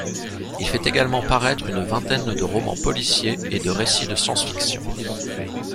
Il fait également paraître une vingtaine de romans policiers et de récits de science-fiction.